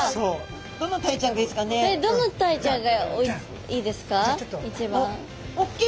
どのタイちゃんがいいですかね？